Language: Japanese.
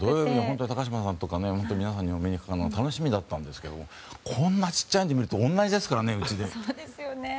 高島さんや皆さんにお目にかかるのが楽しみだったんですがこんなちっちゃいモニターで家と同じですからね。